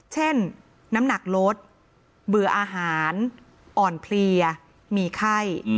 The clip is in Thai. น้ำหนักลดเบื่ออาหารอ่อนเพลียมีไข้